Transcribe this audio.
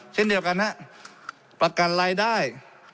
เช่นเดียวกันฮะประกันรายได้